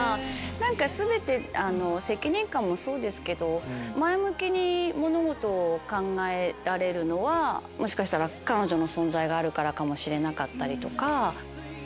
何か全て責任感もそうですけど前向きに物事を考えられるのはもしかしたら彼女の存在があるからかもしれなかったりとか。